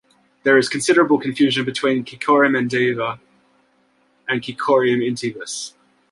There is considerable confusion between "Cichorium endivia" and "Cichorium intybus".